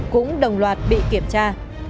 cũng đồng loạt bị kiểm tra